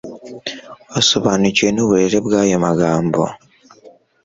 wasobanukiwe n'uburebure bw'ayo magambo.